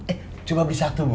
eh cuma beli satu bu